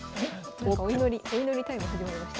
なんかお祈りタイム始まりました。